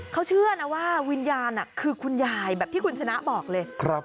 เขาเชื่อนะว่าวิญญาณคือคุณยายแบบที่คุณชนะบอกเลย